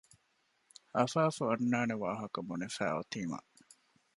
އަފާފު އަންނާނެ ވާހަކަ ބުނެފައި އޮތީމަ